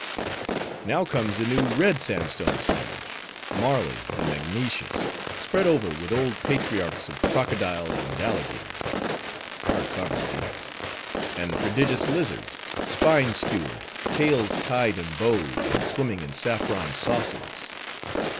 "Now comes the New Red Sandstone sandwich: marly and magnesious, spread over with old patriarchs of crocodiles and alligators,—hard carving these,—and prodigious lizards, spine skewered, tails tied in bows, and swimming in saffron saucers."